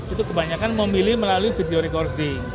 itu kebanyakan memilih melalui video recording